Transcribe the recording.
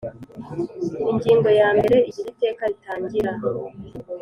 Ingingo ya mbere Igihe Iteka ritangira